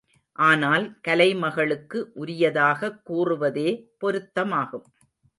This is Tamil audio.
ஆனால், கலைமகளுக்கு உரியதாகக் கூறுவதே பொருத்தமாகும்.